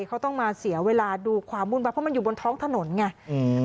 เขาต้องมาเสียเวลาดูความวุ่นวายเพราะมันอยู่บนท้องถนนไงอืม